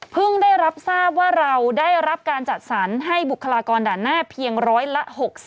ได้รับทราบว่าเราได้รับการจัดสรรให้บุคลากรด่านหน้าเพียงร้อยละ๖๐